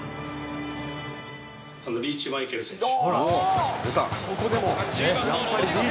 リーチマイケル選手。